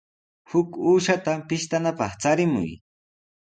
Huk uushata pishtanapaq charimuy.